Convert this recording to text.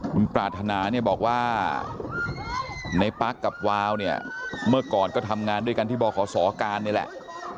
คุณปรารถนาเนี่ยบอกว่าในปั๊กกับวาวเนี่ยเมื่อก่อนก็ทำงานด้วยกันที่บขศการนี่แหละ